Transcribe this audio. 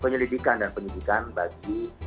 penyelidikan dan penyelidikan bagi